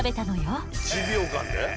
１秒間で？